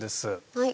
はい。